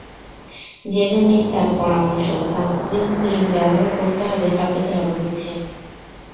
জেনে নিন তাঁর পরামর্শ—সানস্ক্রিন ক্রিম ব্যবহার করতে হবে ত্বকের ধরন বুঝে।